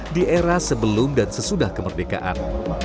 di era sebelum dan sesudah kemerdekaan